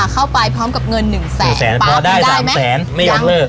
เข้าไปพร้อมกับเงินหนึ่งแสนป๊าบได้ไหมแสนไม่ยังเลิก